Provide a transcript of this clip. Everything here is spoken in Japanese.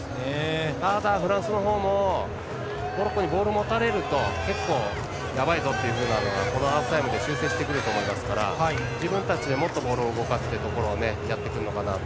ただ、フランスの方もモロッコにボール持たれると結構、やばいぞっていうところがあるのでこのハーフタイムで修正してくると思いますから自分たちでもっとボールを動かすというところをやってくるかなと。